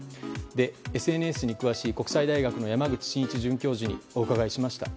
ＳＮＳに詳しい国際大学の山口真一准教授にお伺いしました。